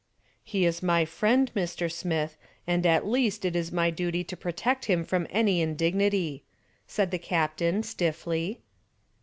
"He is my friend, Mr. Smith, and at least it is my duty to protect him from any indignity," said the captain, stiffly.